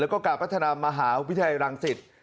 แล้วก็การพัฒนามหาวิทยาลัยรังสิต